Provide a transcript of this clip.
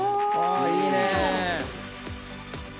あいいねぇ。